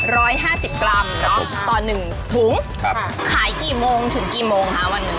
ร้อยห้าสิบกรัมเนาะต่อหนึ่งถุงครับค่ะขายกี่โมงถึงกี่โมงคะวันหนึ่ง